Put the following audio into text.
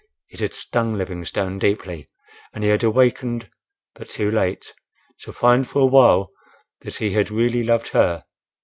It had stung Livingstone deeply, and he had awakened, but too late, to find for a while that he had really loved her.